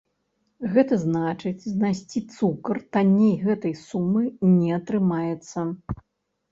Гэта значыць, знайсці цукар танней гэтай сумы не атрымаецца.